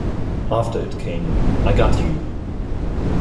After it came "I Got You".